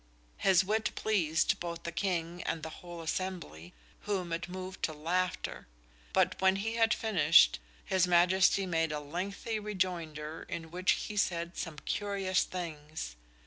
His wit pleased both the King and the whole assembly, whom it moved to laughter; but when he had finished, his Majesty made a lengthy rejoinder in which he said some curious things.